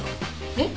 えっ？